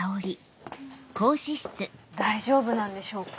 大丈夫なんでしょうか？